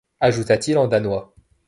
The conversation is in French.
ajouta-t-il en danois.